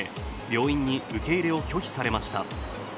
病院に受け入れを拒否されました。